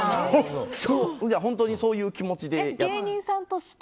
本当にそういう気持ちで。